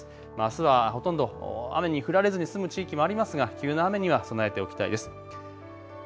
あすはほとんど雨に降られずに済む地域もありますが急な雨には備えておきたいです。